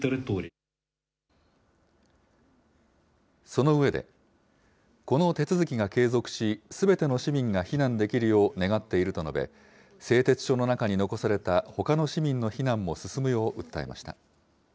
その上で、この手続きが継続し、すべての市民が避難できるよう願っていると述べ、製鉄所の中に残されたほかの市民の避難も進むよう訴えました。